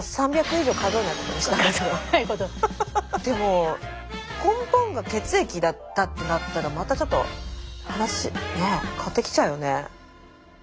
でも根本が血液だったってなったらまたちょっと話変わってきちゃうよね。